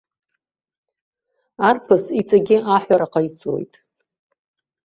Арԥыс иҵегьы аҳәара ҟаиҵоит.